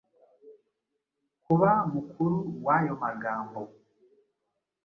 Kuba mukuru w'ayo magambo.